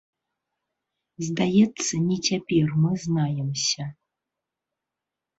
Здаецца, не цяпер мы знаемся.